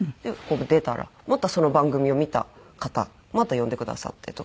出たらまたその番組を見た方また呼んでくださってと。